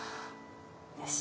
よし。